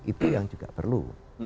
itu yang juga perlu